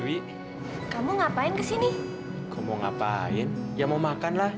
memangnya mau ngapain ya mau makan lah memangnya mau ngapain ya mau makan lah